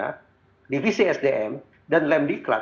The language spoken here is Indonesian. seberapa yo sesungguhnya divisi sdm dan lembikrat